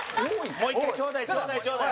もう１回、ちょうだいちょうだい、ちょうだい。